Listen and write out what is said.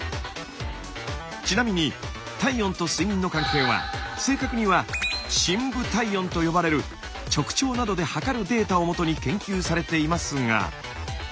ちなみに体温と睡眠の関係は正確には深部体温と呼ばれる直腸などで測るデータをもとに研究されていますが。